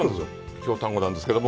京丹後なんですけれども。